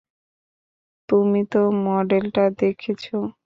তুমি তো মডেলটা দেখেছ!